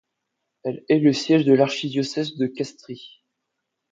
Elle est le siège de l'archidiocèse de Castries.